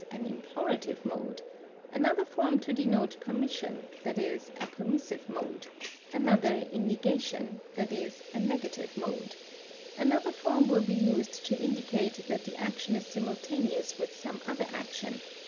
_, an implorative mode; another form to denote permission, i.e., a permissive mode; another in negation, i.e., a negative mode; another form will be used to indicate that the action is simultaneous with some other action, _i.